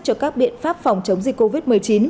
cho các biện pháp phòng chống dịch covid một mươi chín